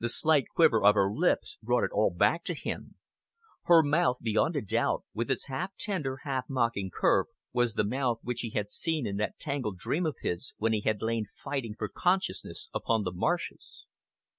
The slight quiver of her lips brought it all back to him. Her mouth, beyond a doubt, with its half tender, half mocking curve, was the mouth which he had seen in that tangled dream of his, when he had lain fighting for consciousness upon the marshes.